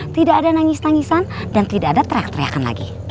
tidak ada nangis nangisan dan tidak ada teriak teriakan lagi